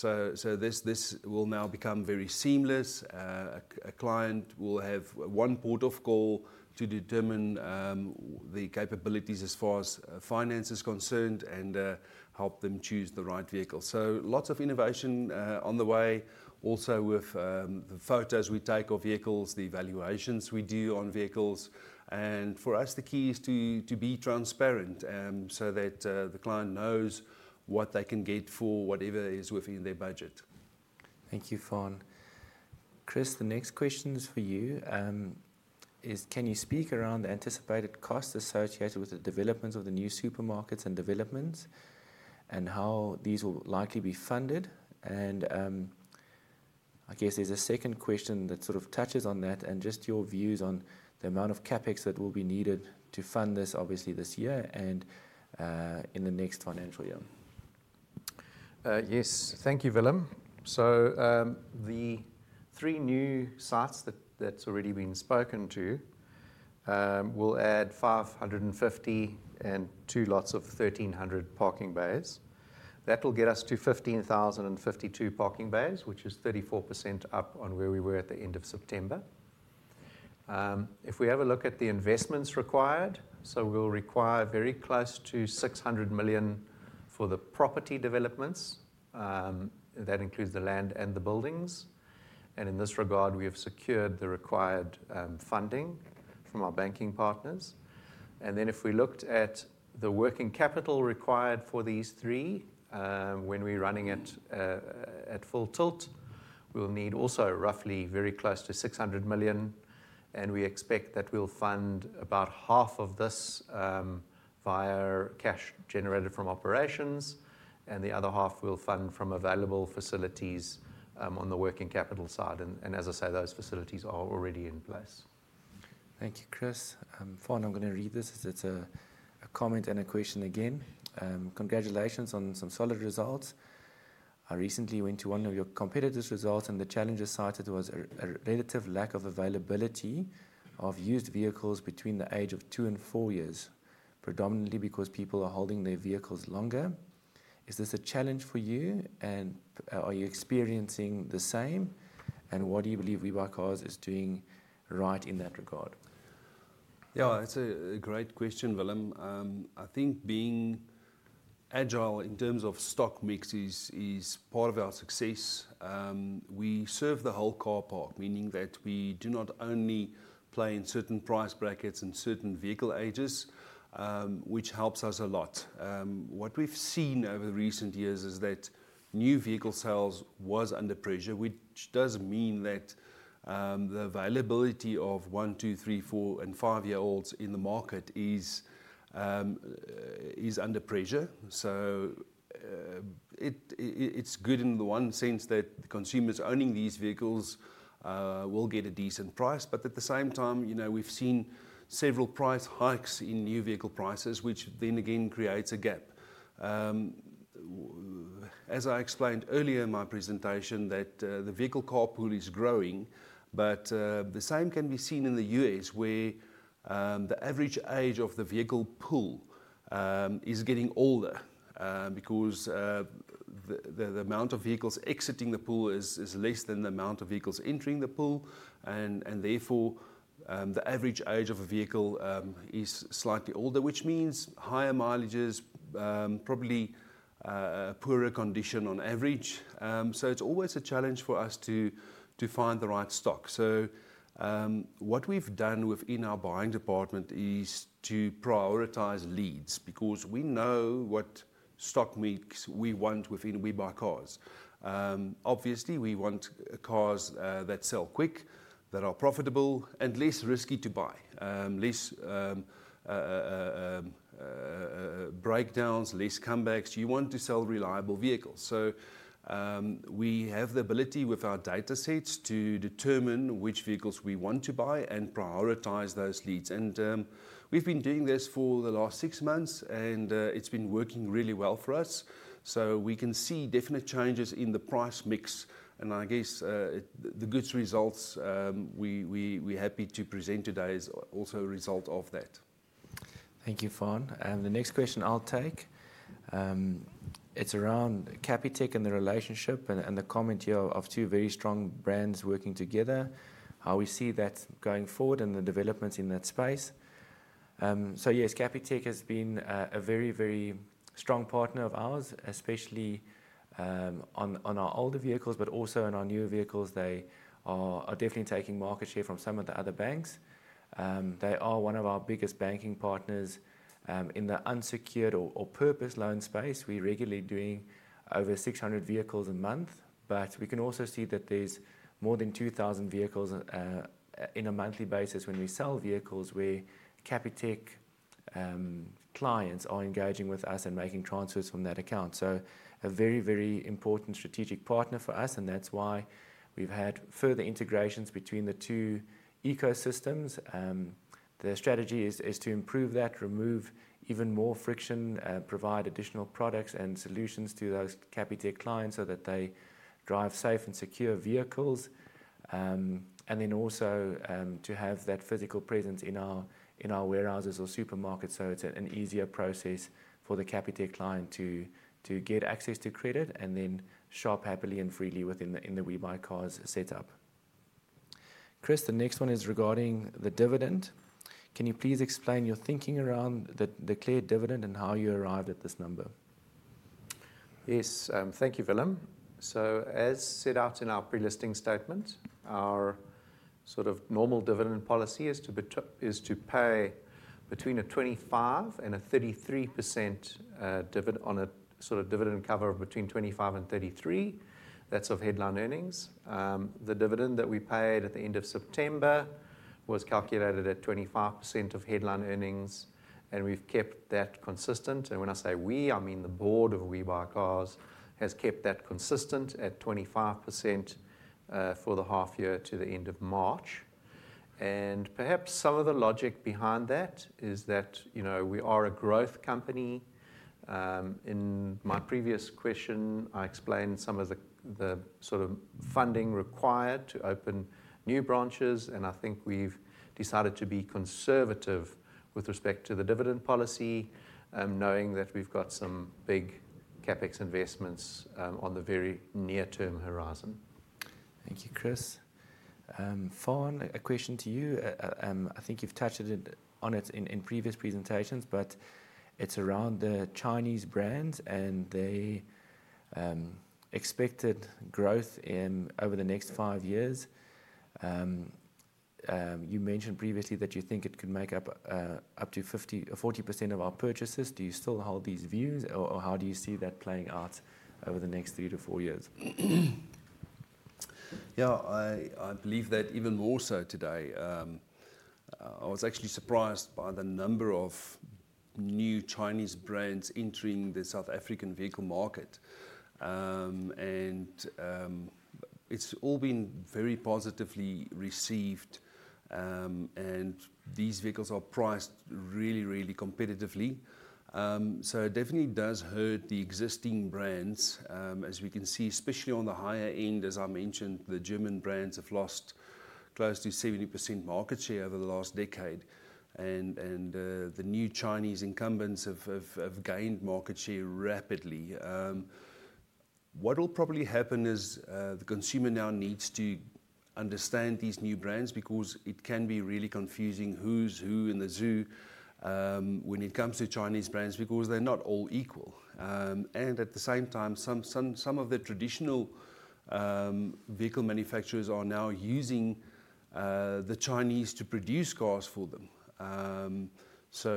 This will now become very seamless. A client will have one port of call to determine the capabilities as far as finance is concerned and help them choose the right vehicle. Lots of innovation on the way. Also with the photos we take of vehicles, the evaluations we do on vehicles. For us, the key is to be transparent so that the client knows what they can get for whatever is within their budget. Thank you, Faan. Chris, the next question is for you. Can you speak around the anticipated costs associated with the development of the new supermarkets and developments and how these will likely be funded? I guess there is a second question that sort of touches on that and just your views on the amount of CapEx that will be needed to fund this, obviously this year and in the next financial year. Yes, thank you, Willem. The three new sites that's already been spoken to will add 550 and two lots of 1,300 parking bays. That will get us to 15,052 parking bays, which is 34% up on where we were at the end of September. If we have a look at the investments required, we'll require very close to 600 million for the property developments. That includes the land and the buildings. In this regard, we have secured the required funding from our banking partners. If we look at the working capital required for these three, when we're running it at full tilt, we'll need also roughly very close to 600 million. We expect that we'll fund about half of this via cash generated from operations, and the other half we'll fund from available facilities on the working capital side. As I say, those facilities are already in place. Thank you, Chris. Faan, I'm going to read this as it's a comment and a question again. Congratulations on some solid results. I recently went to one of your competitors' results, and the challenges cited was a relative lack of availability of used vehicles between the age of two and four years, predominantly because people are holding their vehicles longer. Is this a challenge for you, and are you experiencing the same, and what do you believe WeBuyCars is doing right in that regard? Yeah, it's a great question, Willem. I think being agile in terms of stock mixes is part of our success. We serve the whole car park, meaning that we do not only play in certain price brackets and certain vehicle ages, which helps us a lot. What we've seen over the recent years is that new vehicle sales was under pressure, which does mean that the availability of one, two, three, four, and five-year-olds in the market is under pressure. It's good in the one sense that consumers owning these vehicles will get a decent price, but at the same time, we've seen several price hikes in new vehicle prices, which then again creates a gap. As I explained earlier in my presentation, the vehicle car pool is growing, but the same can be seen in the US, where the average age of the vehicle pool is getting older because the amount of vehicles exiting the pool is less than the amount of vehicles entering the pool. Therefore, the average age of a vehicle is slightly older, which means higher mileages, probably poorer condition on average. It's always a challenge for us to find the right stock. What we've done within our buying department is to prioritize leads because we know what stock mixes we want within WeBuyCars. Obviously, we want cars that sell quick, that are profitable, and less risky to buy, less breakdowns, less comebacks. You want to sell reliable vehicles. We have the ability with our datasets to determine which vehicles we want to buy and prioritize those leads. We've been doing this for the last six months, and it's been working really well for us. We can see definite changes in the price mix, and I guess the good results we're happy to present today is also a result of that. Thank you, Faan. The next question I'll take, it's around Capitec and the relationship and the comment here of two very strong brands working together, how we see that going forward and the developments in that space. Yes, Capitec has been a very, very strong partner of ours, especially on our older vehicles, but also in our newer vehicles. They are definitely taking market share from some of the other banks. They are one of our biggest banking partners in the unsecured or purpose loan space. We're regularly doing over 600 vehicles a month, but we can also see that there's more than 2,000 vehicles on a monthly basis when we sell vehicles where Capitec clients are engaging with us and making transfers from that account. A very, very important strategic partner for us, and that's why we've had further integrations between the two ecosystems. The strategy is to improve that, remove even more friction, provide additional products and solutions to those Capitec clients so that they drive safe and secure vehicles, and then also to have that physical presence in our warehouses or supermarkets so it is an easier process for the Capitec client to get access to credit and then shop happily and freely within the WeBuyCars setup. Chris, the next one is regarding the dividend. Can you please explain your thinking around the clear dividend and how you arrived at this number? Yes, thank you, Willem. As set out in our pre-listing statement, our sort of normal dividend policy is to pay between a 25% and a 33% dividend on a sort of dividend cover of between 2.5 and 3.3. That is of headline earnings. The dividend that we paid at the end of September was calculated at 25% of headline earnings, and we have kept that consistent. When I say we, I mean the board of WeBuyCars has kept that consistent at 25% for the half year to the end of March. Perhaps some of the logic behind that is that we are a growth company. In my previous question, I explained some of the sort of funding required to open new branches, and I think we have decided to be conservative with respect to the dividend policy, knowing that we have got some big CapEx investments on the very near-term horizon. Thank you, Chris. Faan, a question to you. I think you have touched on it in previous presentations, but it is around the Chinese brands, and they expected growth over the next five years. You mentioned previously that you think it could make up to 40% of our purchases. Do you still hold these views, or how do you see that playing out over the next three to four years? Yeah, I believe that even more so today. I was actually surprised by the number of new Chinese brands entering the South African vehicle market, and it's all been very positively received, and these vehicles are priced really, really competitively. It definitely does hurt the existing brands, as we can see, especially on the higher end. As I mentioned, the German brands have lost close to 70% market share over the last decade, and the new Chinese incumbents have gained market share rapidly. What will probably happen is the consumer now needs to understand these new brands because it can be really confusing who's who in the zoo when it comes to Chinese brands because they're not all equal. At the same time, some of the traditional vehicle manufacturers are now using the Chinese to produce cars for them.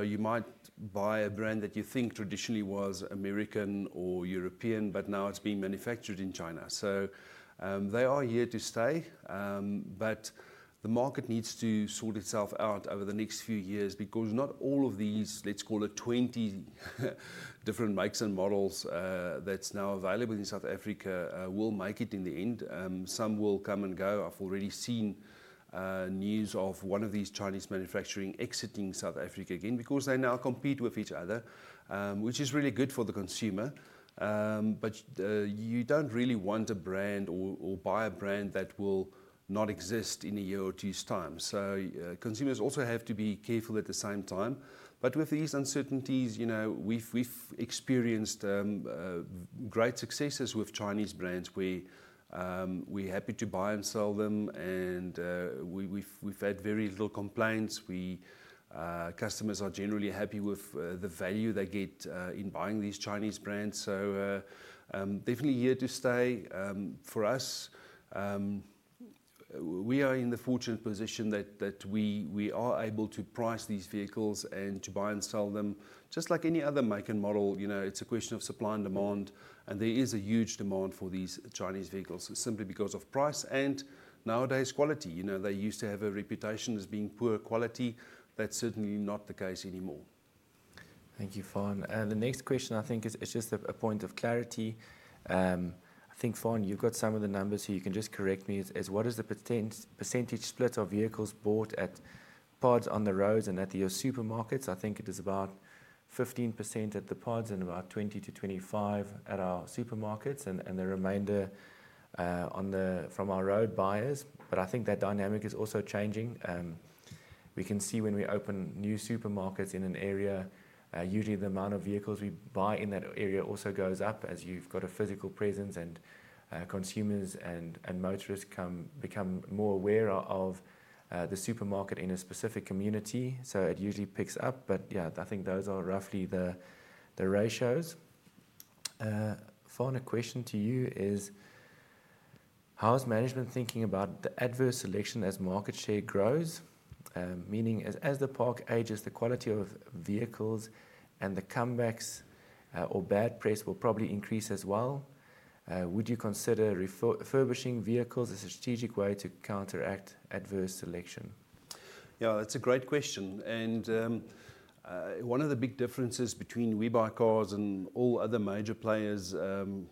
You might buy a brand that you think traditionally was American or European, but now it's being manufactured in China. They are here to stay, but the market needs to sort itself out over the next few years because not all of these, let's call it 20 different makes and models that's now available in South Africa will make it in the end. Some will come and go. I've already seen news of one of these Chinese manufacturers exiting South Africa again because they now compete with each other, which is really good for the consumer. You don't really want a brand or buy a brand that will not exist in a year or two's time. Consumers also have to be careful at the same time. With these uncertainties, we've experienced great successes with Chinese brands. We're happy to buy and sell them, and we've had very little complaints. Customers are generally happy with the value they get in buying these Chinese brands. Definitely here to stay for us. We are in the fortunate position that we are able to price these vehicles and to buy and sell them just like any other make and model. It's a question of supply and demand, and there is a huge demand for these Chinese vehicles simply because of price and nowadays quality. They used to have a reputation as being poor quality. That's certainly not the case anymore. Thank you, Faan. The next question, I think it's just a point of clarity. I think, Faan, you've got some of the numbers, so you can just correct me as what is the percentage split of vehicles bought at pods on the roads and at your supermarkets? I think it is about 15% at the pods and about 20-25% at our supermarkets and the remainder from our road buyers. I think that dynamic is also changing. We can see when we open new supermarkets in an area, usually the amount of vehicles we buy in that area also goes up as you've got a physical presence and consumers and motorists become more aware of the supermarket in a specific community. It usually picks up, but yeah, I think those are roughly the ratios. Faan, a question to you is, how is management thinking about the adverse selection as market share grows? Meaning as the park ages, the quality of vehicles and the comebacks or bad press will probably increase as well. Would you consider refurbishing vehicles as a strategic way to counteract adverse selection? Yeah, that's a great question. One of the big differences between WeBuyCars and all other major players in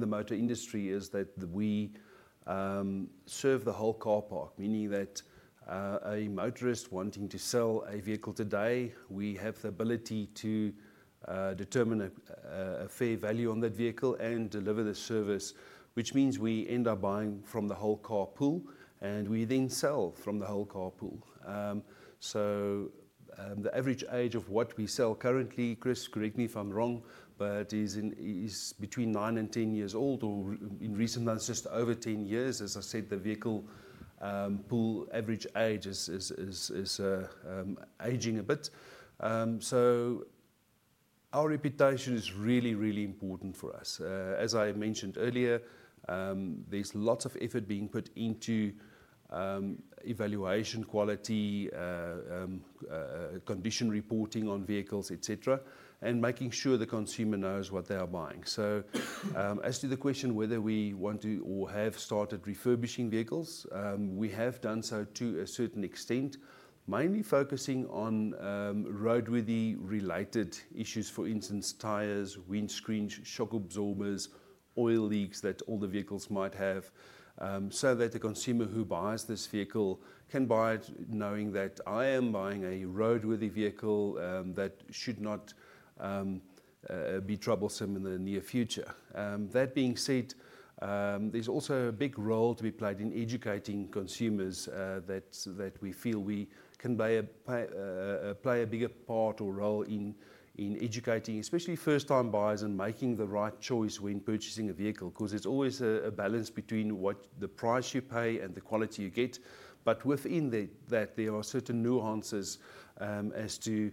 the motor industry is that we serve the whole car park, meaning that a motorist wanting to sell a vehicle today, we have the ability to determine a fair value on that vehicle and deliver the service, which means we end up buying from the whole car pool and we then sell from the whole car pool. The average age of what we sell currently, Chris, correct me if I'm wrong, but is between 9 and 10 years old, or in recent months, just over 10 years. As I said, the vehicle pool average age is aging a bit. Our reputation is really, really important for us. As I mentioned earlier, there's lots of effort being put into evaluation quality, condition reporting on vehicles, etc., and making sure the consumer knows what they are buying. As to the question whether we want to or have started refurbishing vehicles, we have done so to a certain extent, mainly focusing on roadworthy-related issues, for instance, tires, windscreens, shock absorbers, oil leaks that all the vehicles might have, so that a consumer who buys this vehicle can buy it knowing that I am buying a roadworthy vehicle that should not be troublesome in the near future. That being said, there's also a big role to be played in educating consumers that we feel we can play a bigger part or role in educating, especially first-time buyers and making the right choice when purchasing a vehicle because it's always a balance between what the price you pay and the quality you get. Within that, there are certain nuances as to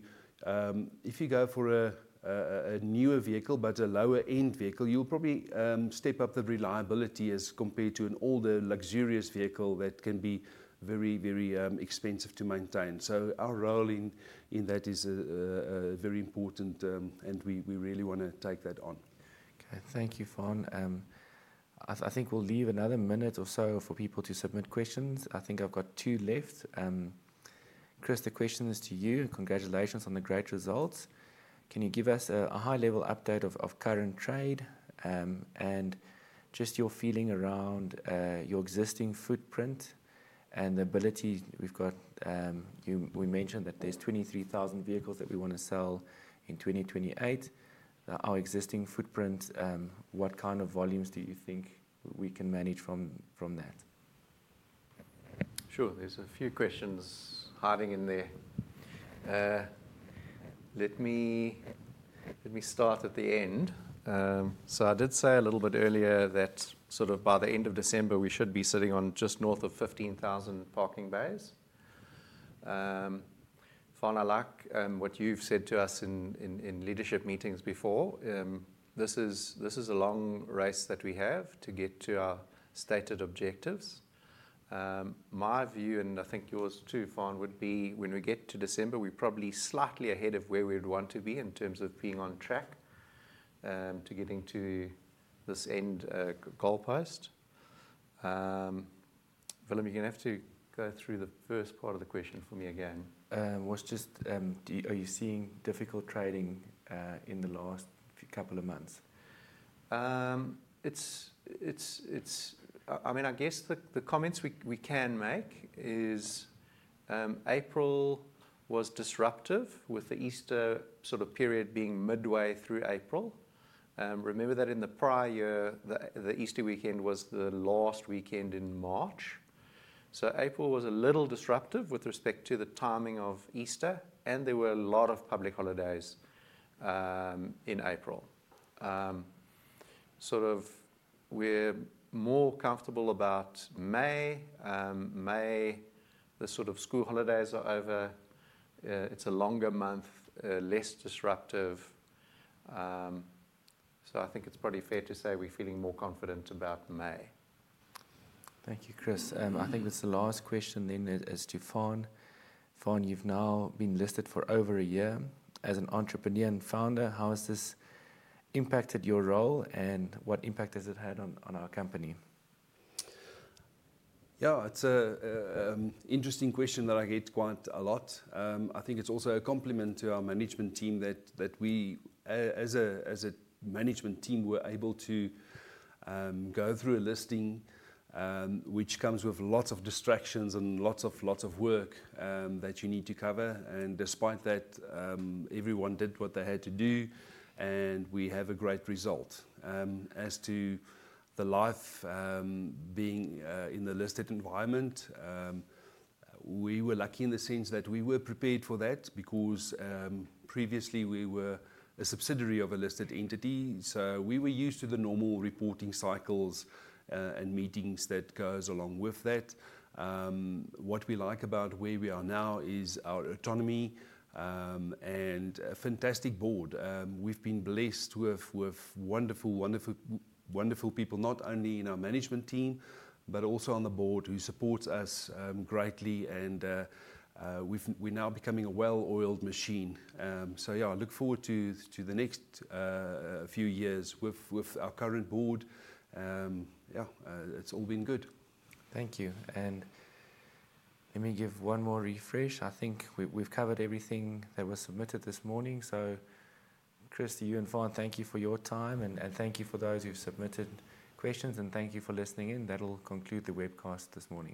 if you go for a newer vehicle, but a lower-end vehicle, you will probably step up the reliability as compared to an older, luxurious vehicle that can be very, very expensive to maintain. Our role in that is very important, and we really want to take that on. Okay, thank you, Faan. I think we'll leave another minute or so for people to submit questions. I think I've got two left. Chris, the question is to you, and congratulations on the great results. Can you give us a high-level update of current trade and just your feeling around your existing footprint and the ability we've got? We mentioned that there's 23,000 vehicles that we want to sell in 2028. Our existing footprint, what kind of volumes do you think we can manage from that? Sure, there's a few questions hiding in there. Let me start at the end. I did say a little bit earlier that sort of by the end of December, we should be sitting on just north of 15,000 parking bays. Final luck, what you've said to us in leadership meetings before, this is a long race that we have to get to our stated objectives. My view, and I think yours too, Faan, would be when we get to December, we're probably slightly ahead of where we'd want to be in terms of being on track to getting to this end goalpost. Willem, you're going to have to go through the first part of the question for me again. Was just, are you seeing difficult trading in the last couple of months? I mean, I guess the comments we can make is April was disruptive with the Easter sort of period being midway through April. Remember that in the prior, the Easter weekend was the last weekend in March. So April was a little disruptive with respect to the timing of Easter, and there were a lot of public holidays in April. Sort of we're more comfortable about May. May, the sort of school holidays are over. It's a longer month, less disruptive. I think it's probably fair to say we're feeling more confident about May. Thank you, Chris. I think it's the last question then as to Faan. Faan, you've now been listed for over a year as an entrepreneur and founder. How has this impacted your role and what impact has it had on our company? Yeah, it's an interesting question that I get quite a lot. I think it's also a compliment to our management team that we, as a management team, were able to go through a listing which comes with lots of distractions and lots of work that you need to cover. Despite that, everyone did what they had to do, and we have a great result. As to the life being in the listed environment, we were lucky in the sense that we were prepared for that because previously we were a subsidiary of a listed entity. We were used to the normal reporting cycles and meetings that go along with that. What we like about where we are now is our autonomy and a fantastic board. We've been blessed with wonderful, wonderful people, not only in our management team, but also on the board who supports us greatly. We're now becoming a well-oiled machine. I look forward to the next few years with our current board. It's all been good. Thank you. Let me give one more refresh. I think we've covered everything that was submitted this morning. Chris, to you and Faan, thank you for your time, and thank you for those who've submitted questions, and thank you for listening in. That'll conclude the webcast this morning.